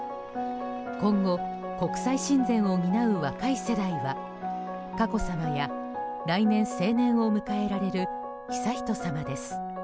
今後、国際親善を担う若い世代は佳子さまや、来年成年を迎えられる悠仁さまです。